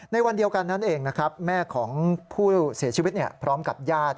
ในวันเดียวกันนั้นเองนะครับแม่ของผู้เสียชีวิตพร้อมกับญาติ